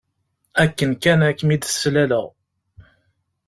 Akken kan ad kem-id-slaleɣ